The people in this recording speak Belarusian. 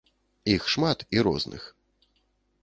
Іх шмат і розных.